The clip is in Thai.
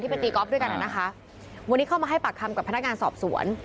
เป็นตีกอล์ฟด้วยกันอ่ะนะคะวันนี้เข้ามาให้ปากคำกับพนักงานสอบสวน